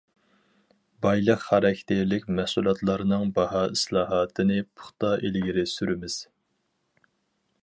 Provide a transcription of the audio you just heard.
بايلىق خاراكتېرلىك مەھسۇلاتلارنىڭ باھا ئىسلاھاتىنى پۇختا ئىلگىرى سۈرىمىز.